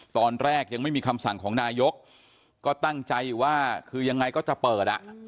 ตอนแรกยังไม่มีคำสั่งของนายกก็ตั้งใจอยู่ว่าคือยังไงก็จะเปิดอ่ะ